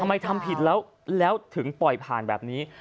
ทำไมทำผิดแล้วถึงปล่อยผ่านแบบนี้